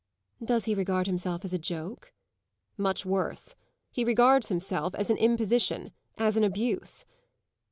"Does he regard himself as a joke?" "Much worse; he regards himself as an imposition as an abuse."